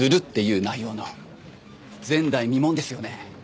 前代未聞ですよね？